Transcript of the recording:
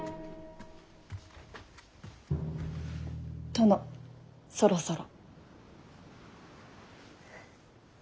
殿そろそろ。